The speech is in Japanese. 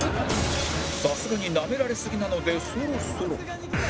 さすがになめられすぎなのでそろそろ